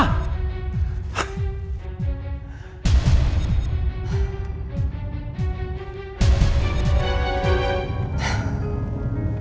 kalau perlu berbicara takut